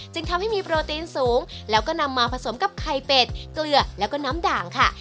จึงทำให้มีโปรตีนสูงแล้วก็นำมาผสมกับไข่เป็ดเกลือแล้วก็น้ำด่างค่ะ